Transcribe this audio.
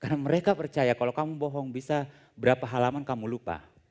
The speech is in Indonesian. karena mereka percaya kalau kamu bohong bisa berapa halaman kamu lupa